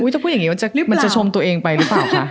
ถ้าพูดอย่างนี้มันจะชมตัวเองไปหรือเปล่าคะ